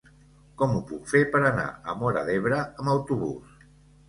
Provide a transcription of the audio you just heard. Com ho puc fer per anar a Móra d'Ebre amb autobús?